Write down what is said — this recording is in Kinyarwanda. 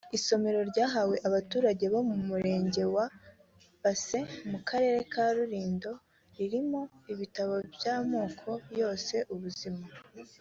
Isomero ryahawe abaturage bo mu Murenge wa Base mu Karere ka Rulindo ririmo ibitabo by’amoko yose ubuzima